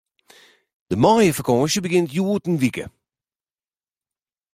De maaiefakânsje begjint hjoed in wike.